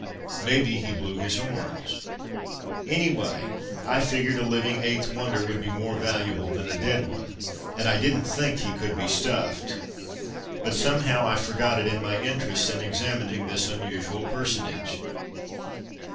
Maybe he blew his horns. Anyway, I figured a living Eighth Wonder would be more valuable than a dead one; and I didn't think he could be stuffed. But somehow I forgot it in my interest in examining this unusual personage.